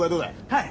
はい。